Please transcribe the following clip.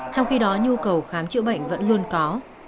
trong khi đó nhu cầu khám chữa bệnh vẫn luôn có